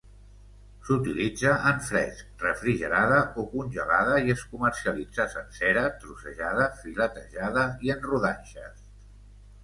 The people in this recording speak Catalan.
S'utilitza en fresc, refrigerada o congelada i es comercialitza sencera, trossejada, filetejada i en rodanxes.